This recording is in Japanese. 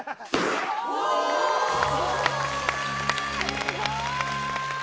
すごーい！